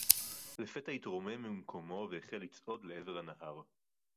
לְפֶתַע הִתְרוֹמֵם מִמְּקוֹמוֹ וְהֵחֵל לִצְעֹד לְעֵבֶר הַנָּהָר.